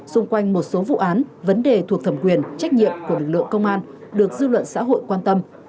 xung quanh một số vụ án vấn đề thuộc thẩm quyền trách nhiệm của lực lượng công an được dư luận xã hội quan tâm